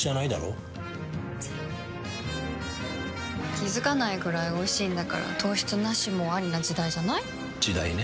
気付かないくらいおいしいんだから糖質ナシもアリな時代じゃない？時代ね。